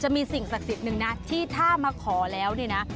มีสิ่งศักดิ์สิทธิ์หนึ่งนะที่ถ้ามาขอแล้วเนี่ยนะ